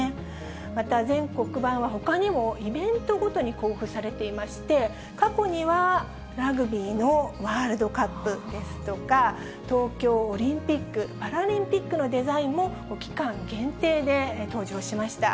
また全国版はほかにもイベントごとに交付されていまして、過去にはラグビーのワールドカップですとか、東京オリンピック・パラリンピックのデザインも期間限定で登場しました。